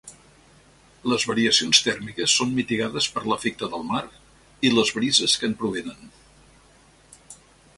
Les variacions tèrmiques són mitigades per l'efecte del mar i les brises que en provenen.